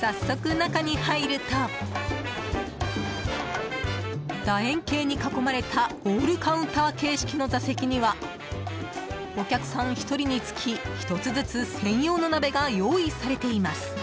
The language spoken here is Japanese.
早速、中に入ると楕円形に囲まれたオールカウンター形式の座席にはお客さん１人につき、１つずつ専用の鍋が用意されています。